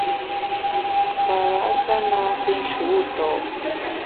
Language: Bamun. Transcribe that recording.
Kara’ sha na nkù nshu nto’.